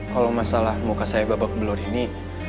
kalau masalah muka saya babak belur ini